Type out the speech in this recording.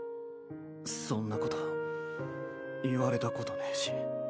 そんなこと言われたことねぇし。